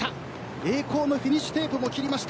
栄光のフィニッシュテープも切りました。